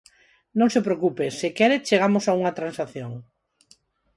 Non se preocupe, se quere, chegamos a unha transacción.